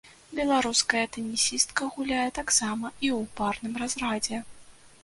Беларуская тэнісістка гуляе таксама і ў парным разрадзе.